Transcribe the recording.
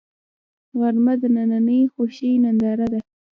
غرمه د دنننۍ خوښۍ ننداره ده